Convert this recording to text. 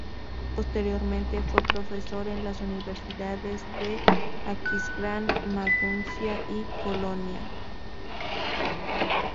Posteriormente fue Profesor en las universidades de Aquisgrán, Maguncia y Colonia.